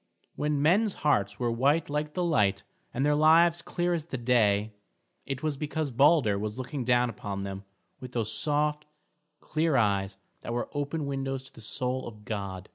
When men's hearts were white like the light, and their lives clear as the day, it was because Balder was looking down upon them with those soft, clear eyes that were open windows to the soul of God.